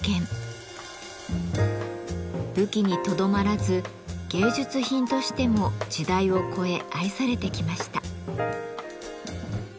武器にとどまらず芸術品としても時代を越え愛されてきました。